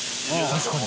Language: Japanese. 確かに。